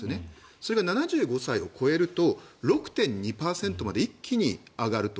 それが７５歳を超えると６．２％まで一気に上がると。